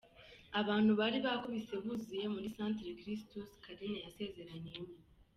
Abantu bari bakubise buzuye muri Centre Christus Carine yasezeraniyemo.